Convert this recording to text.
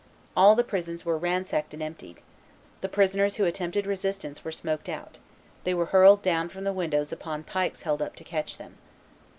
All the prisons were ransacked and emptied; the prisoners who attempted resistance were smoked out; they were hurled down from the windows upon pikes held up to catch them.